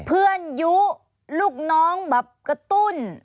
เพื่อนยุลูกน้องแบบกระตุ้น